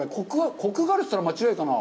コクがあると言ったら間違いかな？